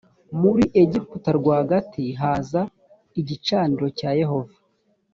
muri egiputa rwagati hazaba igicaniro cya yehova